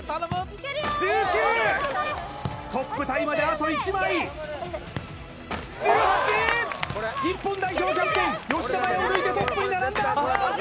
１９！トップタイまであと１枚１８！日本代表キャプテン吉田麻也を抜いてトップに並んだ！